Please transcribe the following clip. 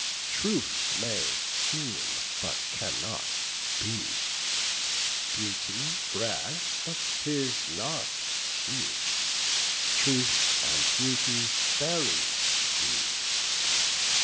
Truth may seem, but cannot be; Beauty brag, but 'tis not she; Truth and beauty buried be.